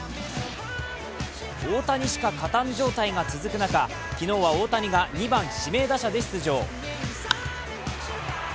大谷しか勝たん状態が続く中、昨日は大谷が２番・指名打者で出場。